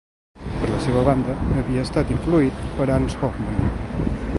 Per la seva banda, ell havia estat influït per Hans Hofmann.